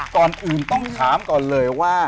ก่อนอื่นต้องถามก่อนเลยว่า